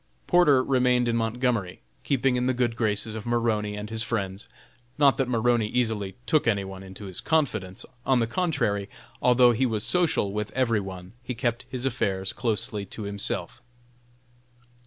Porter remained in Montgomery, keeping in the good graces of Maroney and his friends, not that Maroney easily took any one into his confidence; on the contrary, although he was social with every one, he kept his affairs closely to himself.